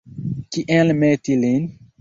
Kien meti lin?